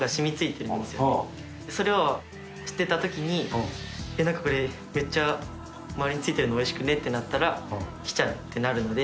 なんかこういつも「なんかこれめっちゃ周りに付いてるの美味しくね？」ってなったら来ちゃうってなるので。